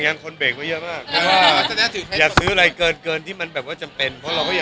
ยังคนเบรกกันเยอะมากอย่าซื้ออะไรเกินที่มันแบบว่าจำเป็น